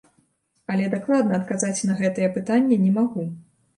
Але дакладна адказаць на гэтае пытанне не магу.